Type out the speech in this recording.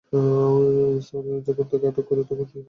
Sir, যখন তাকে আটক করি তখন ওর কাছে অনেক মাল ছিল।